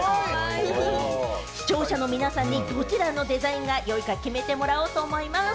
視聴者の皆さんにどちらのデザインが良いか決めてもらおうと思います。